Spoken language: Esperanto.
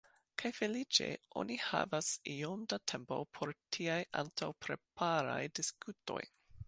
Kaj feliĉe oni havas iom da tempo por tiaj antaŭpreparaj diskutoj.